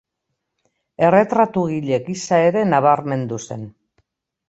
Erretratugile gisa ere nabarmendu zen.